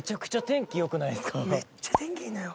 めっちゃ天気いいのよ。